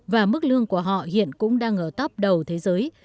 và mức lương của họ hiện cũng đang ở top đầu thế giới